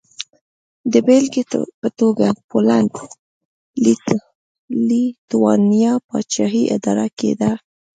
د بېلګې په توګه پولنډ-لېتوانیا پاچاهي اداره کېده.